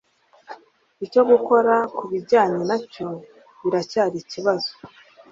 Icyo gukora kubijyanye nacyo biracyari ikibazo